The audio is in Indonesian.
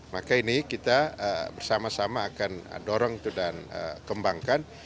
maka ini kita bersama sama akan dorong itu dan kembangkan